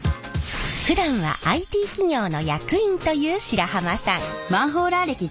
ふだんはＩＴ企業の役員という白浜さん。